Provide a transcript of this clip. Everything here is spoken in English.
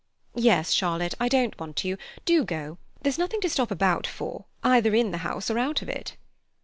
"Yes, Charlotte, I don't want you—do go; there's nothing to stop about for, either in the house or out of it."